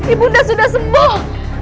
ibu unda sudah sembuh